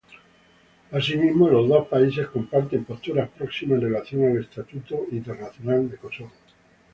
Asimismo, los dos países comparten posturas próximas en relación al estatuto internacional de Kosovo.